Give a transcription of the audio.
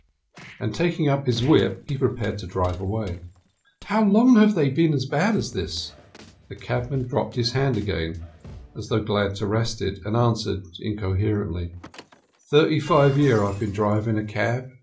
And, taking up his whip, he prepared to drive away. "How long have they been as bad as this?" The cabman dropped his hand again, as though glad to rest it, and answered incoherently: "Thirty five year I've been drivin' a cab."